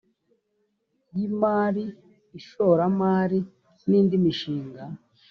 y imari ishoramari n indi mishinga